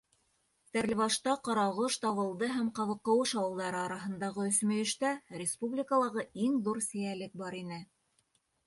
Стәрлебашта, Ҡарағош, Табылды һәм Ҡабыҡҡыуыш ауылдары араһындағы өсмөйөштә, республикалағы иң ҙур сейәлек бар ине.